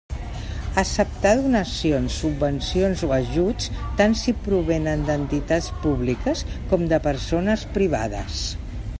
Acceptar donacions, subvencions o ajuts, tant si provenen d'entitats públiques com de persones privades.